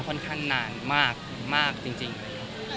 ตอนนี้ถ้าสารภาพจริงเลยคือ